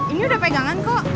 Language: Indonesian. ini udah pegangan kok